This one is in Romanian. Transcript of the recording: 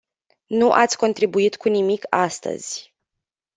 Nu ați contribuit cu nimic astăzi.